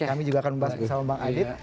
kami juga akan membahas bersama bang adit